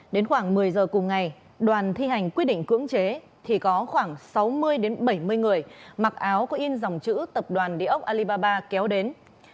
đến khoảng một mươi giờ cùng ngày đoàn thi hành quyết định cưỡng chế thì có khoảng sáu mươi bảy mươi người mặc áo có in dòng chữ tập đoàn địa ốc alibaba kéo đến